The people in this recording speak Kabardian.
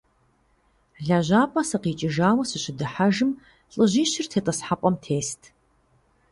ЛэжьапӀэ сыкъикӀыжауэ сыщыдыхьэжым, лӏыжьищыр тетӀысхьэпӀэм тест.